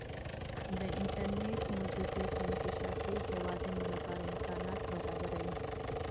د انټرنیټ موجودیت د انکشافي هیوادونو لپاره امکانات برابروي.